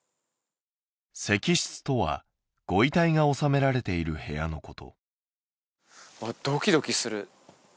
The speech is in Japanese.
石室とはご遺体がおさめられている部屋のこと